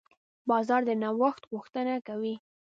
بازار د نوښت غوښتنه کوي.